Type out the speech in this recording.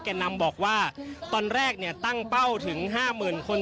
แกนนำบอกว่าตอนแรกเนี่ยตั้งเป้าถึง๕๐๐๐๐คน